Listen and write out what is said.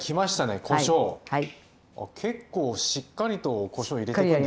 結構しっかりとこしょう入れてくんですね。